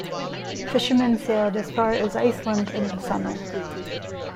Fishermen sailed as far as Iceland in the summer.